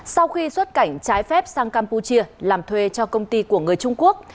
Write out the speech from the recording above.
sau khi xuất cảnh trái phép sang campuchia làm thuê cho công ty của người trung quốc